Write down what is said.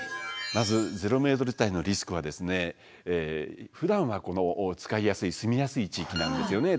まずゼロメートル地帯のリスクはふだんは使いやすい住みやすい地域なんですよね。